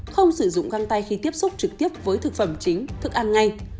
không sử dụng găng tay khi tiếp xúc trực tiếp với thực phẩm chính thức ăn ngay